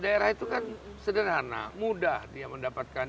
daerah itu kan sederhana mudah dia mendapatkan